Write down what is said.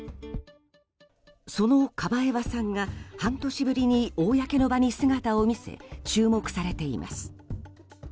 そのカバエワさんが半年ぶりに公の場に姿を見せ注目されています。